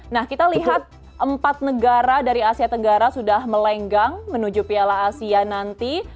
nah kita lihat empat negara dari asia tenggara sudah melenggang menuju piala asia nanti